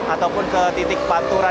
ataupun ke titik pantura